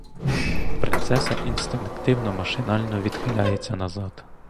Принцеса інстинктивно, машинально відхиляється назад.